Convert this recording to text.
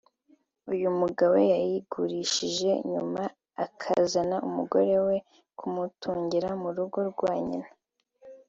uyu mugabo yayigurishije nyuma akazana umugore we ku mutungira mu rugo rwa Nyina